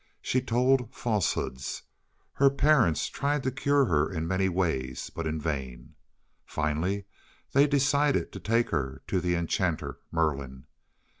She told falsehoods. Her parents tried to cure her in many ways, but in vain. Finally they decided to take her to the enchanter Merlin.